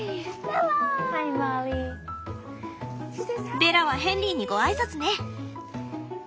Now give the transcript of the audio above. ベラはヘンリーにご挨拶ね。